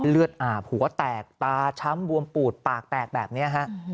เลือดอาบหัวแตกตาช้ำบวมปูดปากแตกแบบนี้ฮะ